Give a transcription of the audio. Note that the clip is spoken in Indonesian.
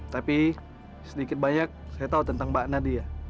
tapi sedikit banyak saya tahu tentang mbak nadia